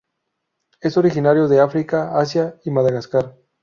Es originario de África, Asia y Madagascar.